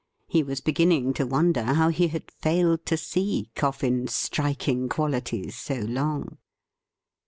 He was beginning to wonder how he had failed to see Coffin's striking qualities so long.